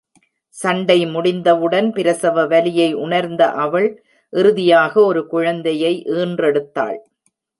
சண்டை முடிந்தவுடன் பிரசவ வலியை உணர்ந்த அவள் இறுதியாக ஒரு குழந்தையை ஈன்றெடுத்தாள்.